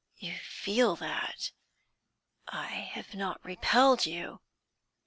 You feel that? I have not repelled you?"